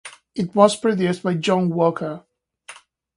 It was produced by John Walker.